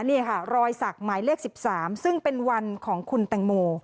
นี่ค่ะรอยสักหมายเลข๑๓ซึ่งเป็นวันของคุณแตงโม